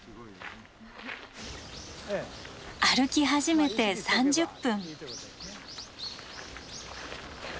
歩き始めて３０分。